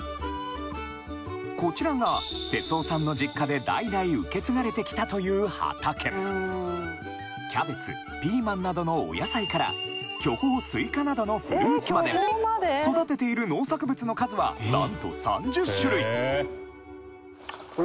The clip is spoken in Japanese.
こちらが哲夫さんの実家でキャベツピーマンなどのお野菜から巨峰スイカなどのフルーツまで育てている農作物の数はなんと３０種類！